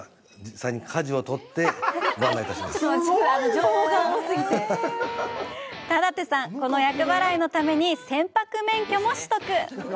情報が多すぎて田立さん、この厄払いのために船舶免許も取得！